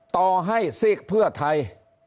ต่อให้ศิกษ์เพื่อไทย